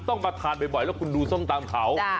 ต้องมาทานบ่อยแล้วคุณดูส้มตำเขา